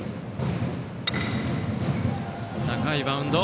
高いバウンド。